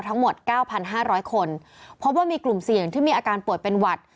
ทั้งหมด๙๕๐๐คนพบว่ามีกลุ่มเสี่ยงที่มีอาการป่วยเป็นหวัด